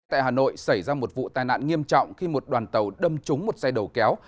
tại hà nội xảy ra một vụ tai nạn nghiêm trọng khi một đoàn tàu đâm trúng một xe đầu kéo